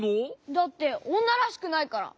だっておんならしくないから！